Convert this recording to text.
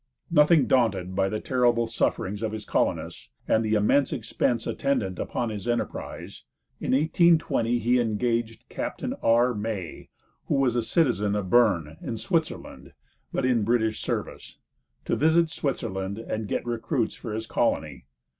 Nothing daunted by the terrible sufferings of his colonists, and the immense expense attendant upon his enterprise, in 1820 he engaged Capt. R. May, who was a citizen of Berne, in Switzerland, but in the British service, to visit Switzerland and get recruits for his colony.